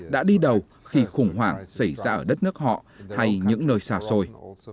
đã đi đầu khi khủng hoảng xảy ra ở đất nước họ hay những nơi xa xôi